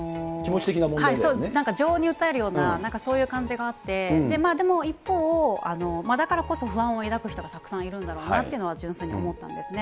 なんか情に訴えるような、なんかそういう感じがあって、でも一方、だからこそ不安を抱く人がたくさんいるんだろうなっていうのは純粋に思ったんですね。